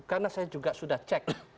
karena saya juga sudah cek